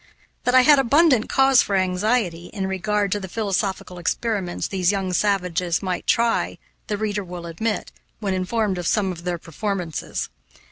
That I had abundant cause for anxiety in regard to the philosophical experiments these young savages might try the reader will admit, when informed of some of their performances.